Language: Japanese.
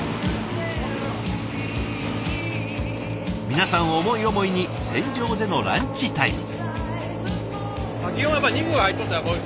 皆さん思い思いに船上でのランチタイム。